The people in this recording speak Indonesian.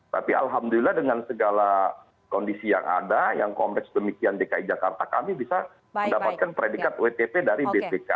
tapi alhamdulillah dengan segala kondisi yang ada yang kompleks demikian dki jakarta kami bisa mendapatkan predikat wtp dari bpk